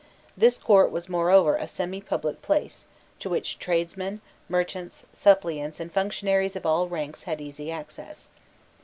This court was moreover a semi public place, to which tradesmen, merchants, suppliants, and functionaries of all ranks had easy access.